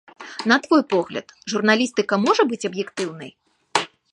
На твой погляд, журналістыка можа быць аб'ектыўнай?